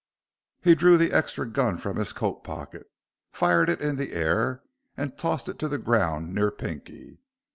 He drew the extra gun from his coat pocket, fired it in the air, and tossed it to the ground near Pinky.